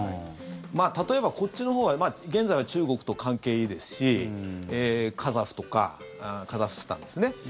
例えば、こっちのほうは現在は中国と関係いいですしカザフとかカザフスタンですね。